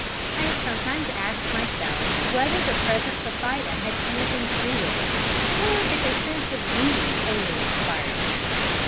I have sometimes asked myself whether the presence of Fida had anything to do with it, or if a sense of duty only inspired me.